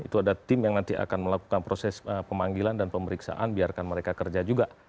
itu ada tim yang nanti akan melakukan proses pemanggilan dan pemeriksaan biarkan mereka kerja juga